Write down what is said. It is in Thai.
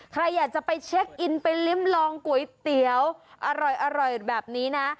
ใครอยากจะไปเช็คอินไปลิ้มลองก๋วยเตี๋ยวอร่อยแบบนี้นะ